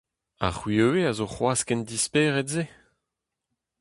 Ha c’hwi ivez a zo c’hoazh ken dispered-se ?